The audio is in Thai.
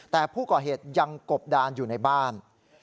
แต่ผู้ก่อเหตุยังกบดานอยู่ในบ้าน